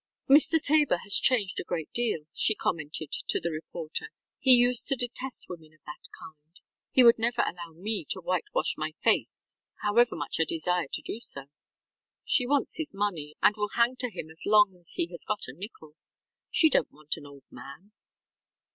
ŌĆ£Mr. Tabor has changed a great deal, ŌĆØ she commented to the reporter. ŌĆ£He used to detest women of that kind. He would never allow me to whitewash my face however much I desired to do so. She wants his money and will hang to him as long as he has got a nickel. She donŌĆÖt want an old man.